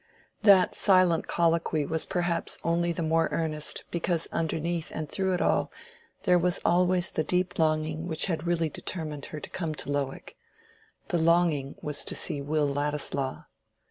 That silent colloquy was perhaps only the more earnest because underneath and through it all there was always the deep longing which had really determined her to come to Lowick. The longing was to see Will Ladislaw.